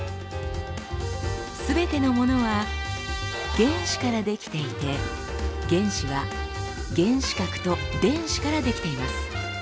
すべてのものは原子から出来ていて原子は原子核と電子から出来ています。